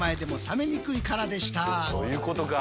そういうことか。